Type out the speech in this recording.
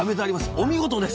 お見事です